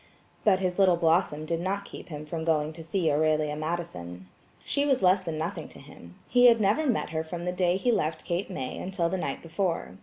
But his little Blossom did not keep him from going to see Aurelia Madison. She was less than nothing to him. He had never met her from the day he left Cape May until the night before.